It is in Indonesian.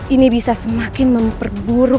ini bisa semakin memperburuk